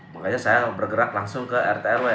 makanya saya bergerak langsung ke rtrw